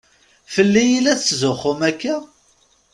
Fell-i i la tetzuxxumt akka?